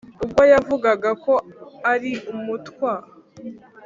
ubwo yavugaga ko ari umutwa.